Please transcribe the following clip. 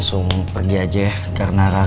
emang mulai siapa sih